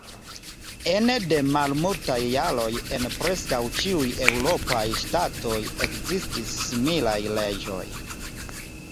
Ene de malmultaj jaroj en preskaŭ ĉiuj eŭropaj ŝtatoj ekestis similaj leĝoj.